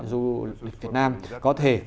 du lịch việt nam có thể